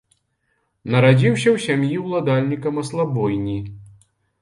Нарадзіўся ў сям'і ўладальніка маслабойні.